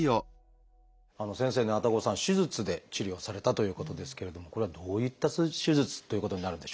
先生ね愛宕さん手術で治療されたということですけれどもこれはどういった手術っていうことになるんでしょうか？